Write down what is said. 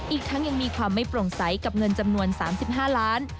อีกทั้งยังมีความไม่โปร่งใสกับเงินจำนวน๓๕ล้าน